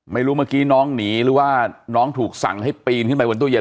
ไม่รู้เมื่อกี้น้องหนีหรือว่าน้องถูกสั่งให้ปีนขึ้นไปบนตู้เย็น